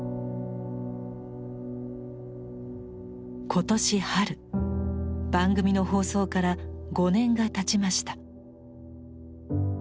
今年春番組の放送から５年がたちました。